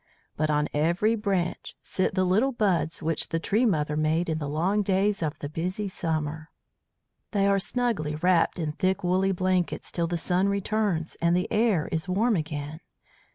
But on every branch sit the little buds which the tree mother made in the long days of the busy summer. They are snugly wrapped in thick woolly blankets till the sun returns and the air is warm again.